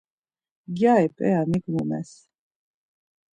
Gyari p̌eya mik mumes?